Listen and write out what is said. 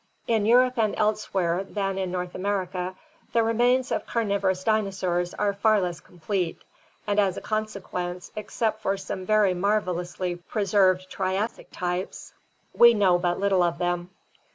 In Europe and elsewhere than in North America the remains of carnivorous dinosaurs are far less complete, and as a consequence, except for some very marvelously preserved Triassic types, we know but little of them.